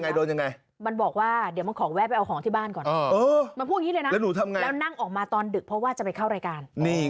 คิดในใจบ้าบอไปเอาของอะไรแล้วฉันอยู่บนรถ